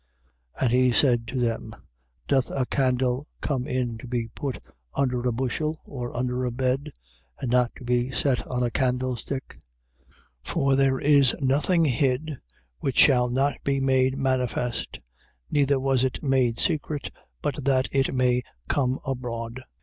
4:21. And he said to them: Doth a candle come in to be put under a bushel, or under a bed? and not to be set on a candlestick? 4:22. For there is nothing hid, which shall not be made manifest: neither was it made secret, but that it may come abroad. 4:23.